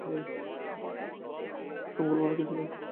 নামগুলো মনে রেখেন, সবাই!